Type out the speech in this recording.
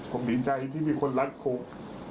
ผมดีใจที่มีคนรักผม